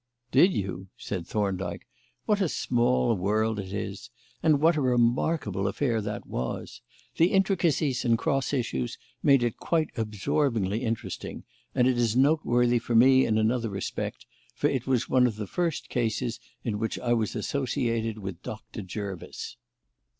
"Did you?" said Thorndyke. "What a small world it is! And what a remarkable affair that was! The intricacies and cross issues made it quite absorbingly interesting; and it is noteworthy for me in another respect, for it was one of the first cases in which I was associated with Doctor Jervis."